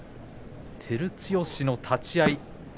照強の立ち合い